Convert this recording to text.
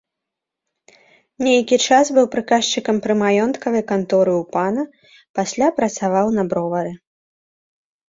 Нейкі час быў прыказчыкам пры маёнткавай канторы ў пана, пасля працаваў на бровары.